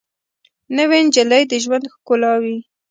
نوې نجلۍ د ژوند ښکلا وي